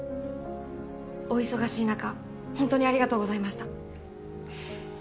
お忙しいなかほんとにありがとうございました。